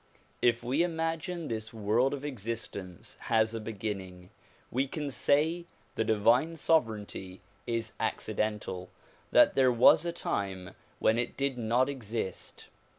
If we imagine this world of existence has a beginning we can say the divine sovereignty is accidental, that is there was a time when it did not exist.